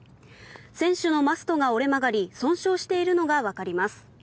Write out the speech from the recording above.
船首のマストが折れ曲がり損傷しているのがわかります。